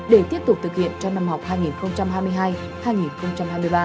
để tiếp tục thực hiện cho năm học hai nghìn hai mươi hai hai nghìn hai mươi ba